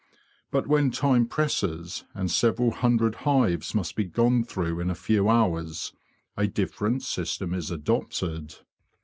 But when time presses, and several hundred hives must be gone through in a few hours, a different system is adopted.